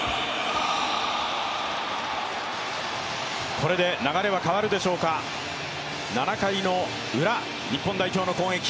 これで流れは変わるでしょうか、７回のウラ、日本代表の攻撃。